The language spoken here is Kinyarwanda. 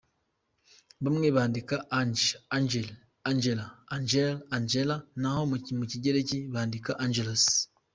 Bamwe bandika Ange, Angel, Angela, Angele, Angella, naho mu Kigereki bakandika Angelos.